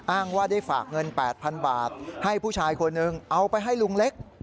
อ้างว่าได้ฝากเงิน๘๐๐๐บาทให้ผู้ชายคนหนึ่งเอาไปให้ลุงเล็ก